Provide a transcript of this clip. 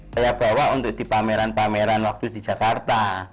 saya bawa untuk di pameran pameran waktu di jakarta